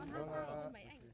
con cảm ơn ông